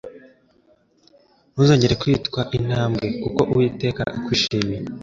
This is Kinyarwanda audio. Ntuzongera kwitwa intabwa... kuko Uwiteka akwishimiye.»